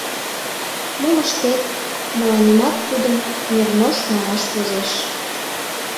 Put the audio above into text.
Мом ыштет — мыланемат тудым Нернош манаш возеш...